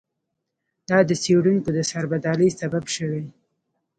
دا د څېړونکو د سربدالۍ سبب شوی.